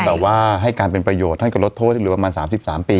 แต่ว่าให้การเป็นประโยชน์ท่านก็ลดโทษเหลือประมาณ๓๓ปี